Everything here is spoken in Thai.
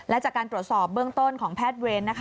และจากการตรวจสอบเบื้องต้นของแพทย์เวรนะคะ